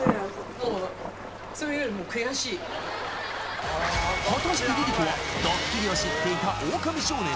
もう果たしてＬｉＬｉＣｏはドッキリを知っていたオオカミ少年？